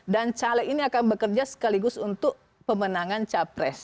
caleg ini akan bekerja sekaligus untuk pemenangan capres